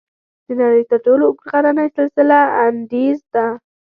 د نړۍ تر ټولو اوږد غرنی سلسله "انډیز" ده.